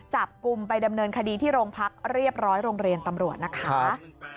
จับกลุ่มไปดำเนินคดีที่โรงพักเรียบร้อยโรงเรียนตำรวจนะคะ